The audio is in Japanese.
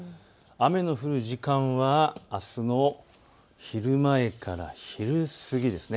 雨の降る時間はあすの昼前から昼過ぎです。